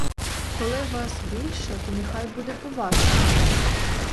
Коли вас більше, то нехай буде по-вашому.